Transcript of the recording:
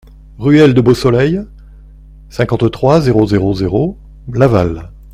Ruelle de Beausoleil, cinquante-trois, zéro zéro zéro Laval